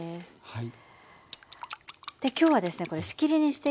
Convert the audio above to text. はい。